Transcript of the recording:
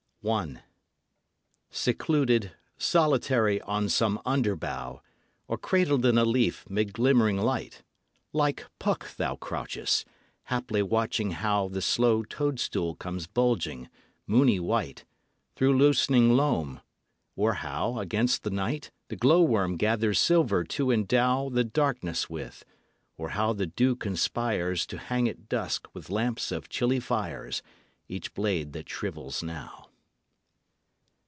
Secluded, solitary on some underbough, Or cradled in a leaf, 'mid glimmering light, Like Puck thou crouchest: Haply watching how The slow toad stool comes bulging, moony white, Through loosening loam; or how, against the night, The glow worm gathers silver to endow The darkness with; or how the dew conspires To hang at dusk with lamps of chilly fires Each blade that shrivels now.